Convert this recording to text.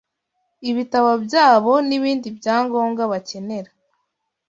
ibitabo byabo n’ibindi bya ngombwa bakenera